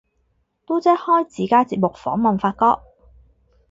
嘟姐開自家節目訪問發哥